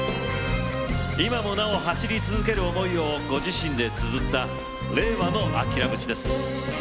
今もなお走り続ける思いをご自身でつづった令和のアキラ節です。